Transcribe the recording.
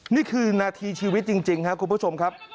นี่คือนาทีชีวิตจริงครับคุณผู้ชมครับ